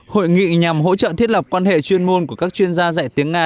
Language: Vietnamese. hội nghị nhằm hỗ trợ thiết lập quan hệ chuyên môn của các chuyên gia dạy tiếng nga